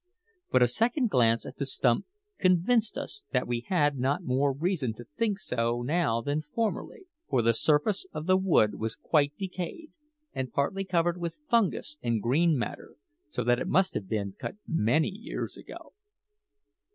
But a second glance at the stump convinced us that we had not more reason to think so now than formerly; for the surface of the wood was quite decayed and partly covered with fungus and green matter, so that it must have been cut many years ago.